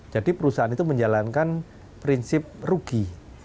jadi perusahaan itu menjalankan prinsip rugi